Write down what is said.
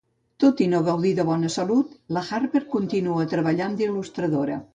Tot i no gaudir de bona salud, la Harper continua treballant d"il·lustradora.